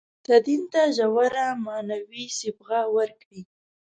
تدین ته ژوره معنوي صبغه ورکړي.